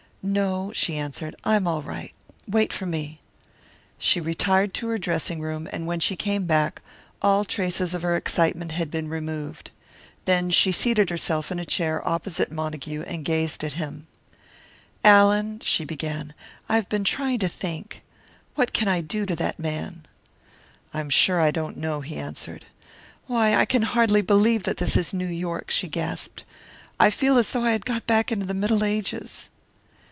"No," she answered. "I am all right. Wait for me." She retired to her dressing room, and when she came back, all traces of her excitement had been removed. Then she seated herself in a chair opposite Montague and gazed at him. "Allan," she began, "I have been trying to think. What can I do to that man?" "I am sure I don't know," he answered. "Why, I can hardly believe that this is New York," she gasped. "I feel as though I had got back into the Middle Ages!"